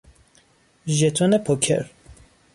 ژتون پوکر